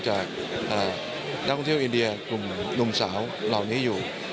จากนักท่องเที่ยวอินเดียกลุ่มสาวเหล่านี้อยู่